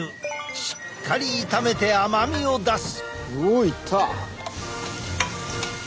しっかり炒めて甘みを出す！